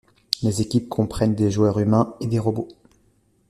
Les équipes comprennent des joueurs humains et des robots.